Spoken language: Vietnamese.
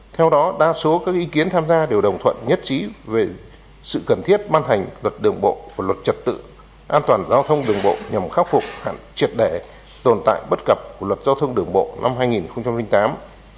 theo đó đa số các ý kiến tham gia đều đồng thuận nhất trí về sự cần thiết ban hành luật đường bộ và luật trật tự an toàn giao thông đường bộ nhằm khắc phục triệt đẻ tồn tại bất cập của luật giao thông đường bộ năm hai nghìn tám